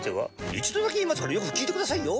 一度だけ言いますからよく聞いてくださいよ。